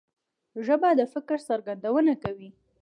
ژبه د فکر څرګندونه کوي